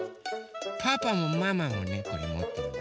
パパもママもねこれもってるよ。